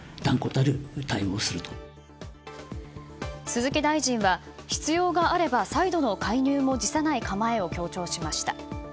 鈴木大臣は必要があれば再度の介入も辞さない構えを強調しました。